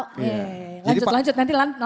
lanjut lanjut nanti lama